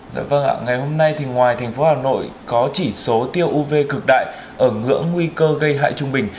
dạ vâng ạ ngày hôm nay thì ngoài thành phố hà nội có chỉ số tiêu uv cực đại ở ngưỡng nguy cơ gây hại trung bình